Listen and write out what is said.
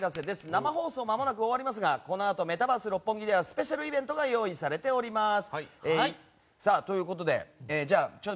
生放送間もなく終わりますがこのあとメタバース六本木ではスペシャルイベントが用意されています。